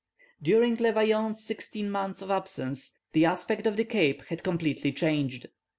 During Le Vaillant's sixteen months of absence, the aspect of the Cape had completely changed.